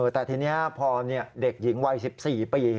แต่ทีนี้พอเด็กหญิงวัย๑๔ปี